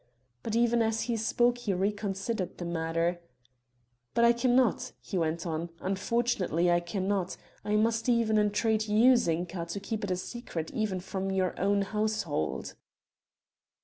But even as he spoke he reconsidered the matter; "but I cannot," he went on, "unfortunately I cannot. I must even entreat you, Zinka, to keep it a secret even from your own household."